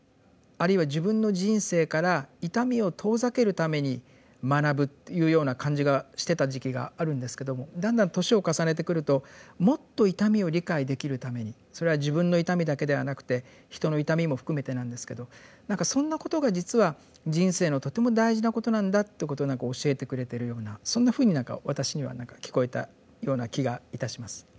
あるいは自分の人生から痛みを遠ざけるために学ぶというような感じがしてた時期があるんですけどもだんだん年を重ねてくるともっと痛みを理解できるためにそれは自分の痛みだけではなくて人の痛みも含めてなんですけど何かそんなことが実は人生のとても大事なことなんだっていうことを何か教えてくれてるようなそんなふうに私には何か聞こえたような気がいたします。